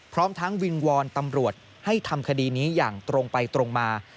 พร้อมทั้งวิงวอนตำรวจให้ทำคดีนี้อย่างตรงไปตรงมา